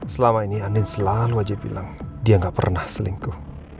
selama ini anin selalu aja bilang dia gak pernah selingkuh